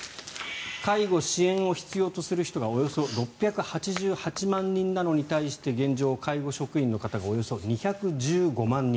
介護・支援を必要とする人がおよそ６８８万人に対して現状、介護職員の方がおよそ２１５万人。